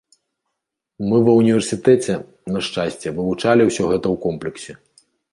Мы ва ўніверсітэце, на шчасце, вывучалі ўсё гэта ў комплексе.